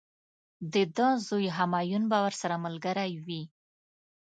د ده زوی همایون به ورسره ملګری وي.